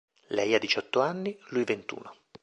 Lei ha diciotto anni, lui ventuno.